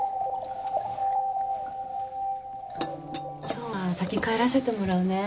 今日は先帰らせてもらうね。